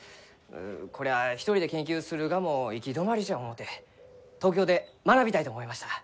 こりゃあ一人で研究するがも行き止まりじゃ思うて東京で学びたいと思いました。